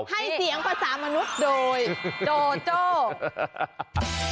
ให้เสียงภาษามนุษย์โดยโดโจ้